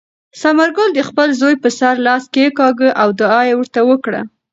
ثمرګل د خپل زوی په سر لاس کېکاږه او دعا یې ورته وکړه.